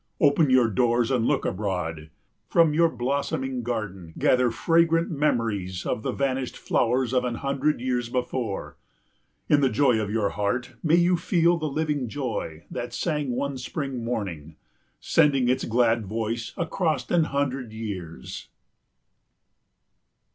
Open your doors and look abroad. From your blossoming garden gather fragrant memories of the vanished flowers of an hundred years before. In the joy of your heart may you feel the living joy that sang one spring morning, sending its glad voice across an hundred years.